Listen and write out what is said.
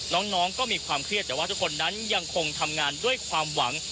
น้องก็มีความเครียดแต่ว่าทุกคนนั้นยังคงทำงานด้วยความหวัง